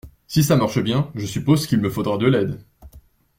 Si ça marche bien, je suppose qu’il me faudra de l’aide.